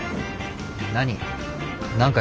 何？